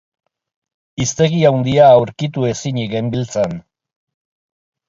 Hiztegi handia aurkitu ezinik genbiltzan.